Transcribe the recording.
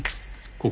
ここ。